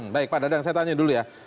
baik pak dadang saya tanya dulu ya